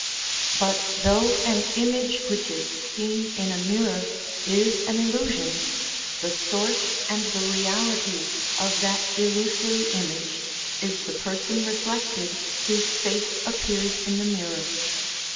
But though an image which is seen in a mirror is an illusion, the source and the 318 314 SOME ANSWERED QUESTIONS reality of that illusory image is the person reflected, whose face appears in the mirror.